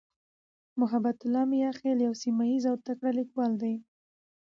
محبتالله "میاخېل" یو سیمهییز او تکړه لیکوال دی.